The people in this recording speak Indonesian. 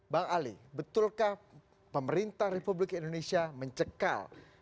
bang ali betulkah pemerintah republik indonesia mencekal